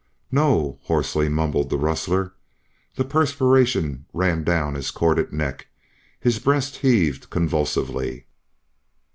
"No," hoarsely mumbled the rustler. The perspiration ran down his corded neck; his breast heaved convulsively.